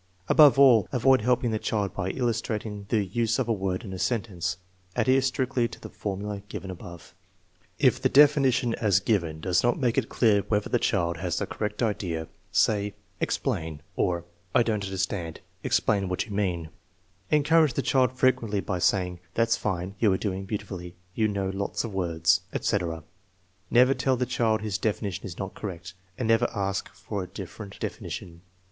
Above all, avoid helping the child by illustrat ing the use of a word in a sentence. Adhere strictly to the formula given above. If the definition as given does not make it clear whether the child has the correct idea, say: Explain," or, "/ don't understand; explain what you mean" 2 2r> THE JVIEASURE^IEXT OF INTELLIGENCE Encourage the child frequently by saying: " That *s fine. You are doing beautifully. You know lots of words," etc. Xever tell the child his definition is not correct, and never ask for a different definition.